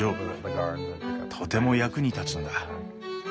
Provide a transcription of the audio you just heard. とても役に立つんだ。